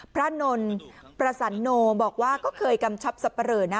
นนท์ประสันโนบอกว่าก็เคยกำชับสับปะเหลอนะ